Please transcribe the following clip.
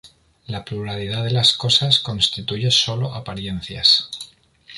La pluralidad de las cosas constituye sólo apariencias.